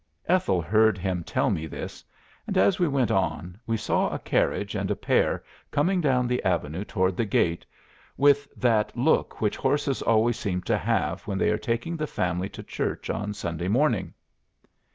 Ethel heard him tell me this; and as we went on, we saw a carriage and pair coming down the avenue toward the gate with that look which horses always seem to have when they are taking the family to church on Sunday morning."